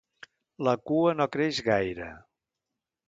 La cua no creix gaire.